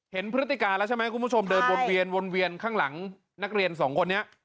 พฤติการแล้วใช่ไหมคุณผู้ชมเดินวนเวียนวนเวียนข้างหลังนักเรียนสองคนนี้